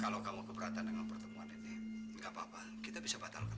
kalau kamu keberatan dengan pertemuan ini gak apa apa kita bisa batalkan